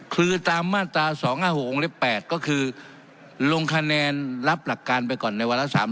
คือตามมาตรา๒๕๖วงเล็บ๘ก็คือลงคะแนนรับหลักการไปก่อนในวาระ๓๐